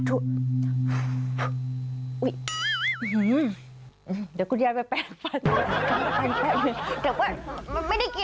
เฮ้ไปเบิ่งค่ะ